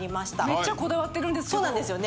めっちゃこだわってるんですけど。